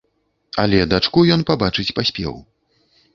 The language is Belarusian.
Але дачку ён пабачыць паспеў.